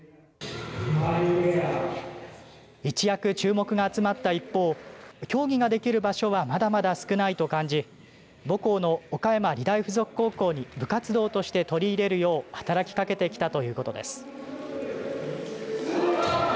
一躍注目が集まった一方競技ができる場所はまだまだ少ないと感じ母校の岡山理大付属高校に部活動として取り入れるよう働きかけてきたということです。